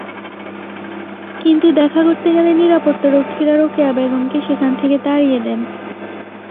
কিন্তু দেখা করতে গেলে নিরাপত্তারক্ষীরা রোকেয়া বেগমকে সেখান থেকে তাড়িয়ে দেন।